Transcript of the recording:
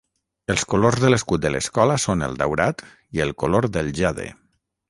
Els colors de l'escut de l'escola són el daurat i el color del jade.